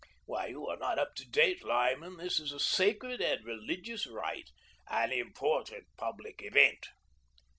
Why, you are not up to date, Lyman. This is a sacred and religious rite, an important public event."